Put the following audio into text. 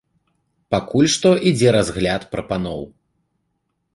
Пакуль што ідзе разгляд прапаноў.